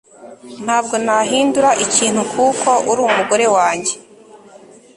ntabwo nahindura ikintu kuko uri umugore wanjye